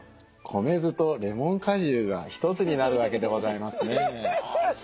米酢とレモン果汁が一つになるわけでございますね。